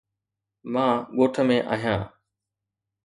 مان ڳوٺ ۾ آهيان.